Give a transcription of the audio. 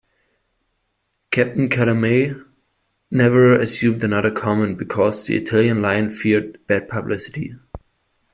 Captain Calamai never assumed another command because the Italian Line feared bad publicity.